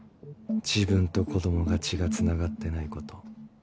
自分と子供が血がつながってないこと。